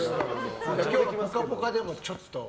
今日の「ぽかぽか」でもちょっと。